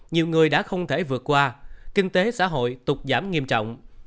nhiều người đã không thể vượt qua kinh tế xã hội tục giảm nghiêm trọng